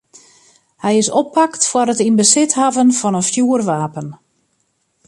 Hy is oppakt foar it yn besit hawwen fan in fjoerwapen.